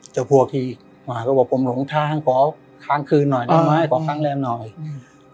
พวกที่มาก็บอกผมหลงทางขอค้างคืนหน่อยได้ไหมขอค้างแรมหน่อยอืม